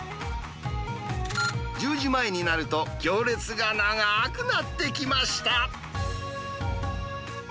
１０時前になると、行列が長ーくなってきました。